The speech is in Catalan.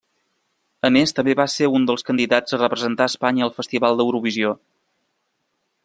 A més també va ser un dels candidats a representar Espanya al festival d'Eurovisió.